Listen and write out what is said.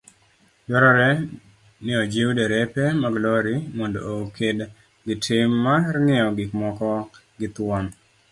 Dwaroreniojiwderepemaglorimondookedgitim marng'iewogikmokogithuon.